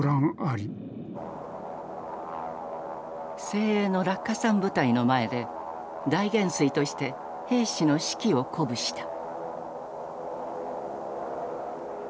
精鋭の落下傘部隊の前で大元帥として兵士の士気を鼓舞した。